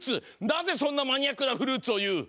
なぜそんなマニアックなフルーツをいう！